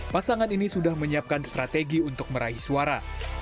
pasangan ini sudah menyiapkan strategi untuk meraih suara